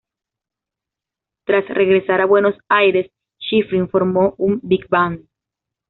Tras regresar a Buenos Aires, Schifrin formó una "big band".